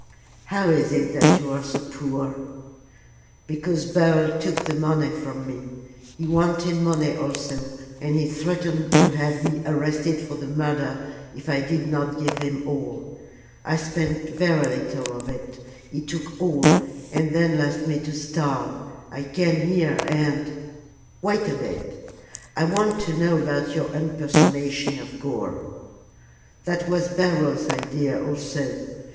"How is it that you are so poor?" "Because Beryl took the money from me. He wanted money also, and he threatened to have me arrested for the murder if I did not give him all. I spent very little of it. He took all, and then left me to starve. I came here, and " "Wait a bit; I want to know about your impersonation of Gore?" "That was Beryl's idea also.